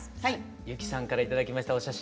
由紀さんから頂きましたお写真